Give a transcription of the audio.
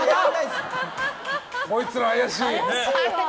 こいつら、怪しい。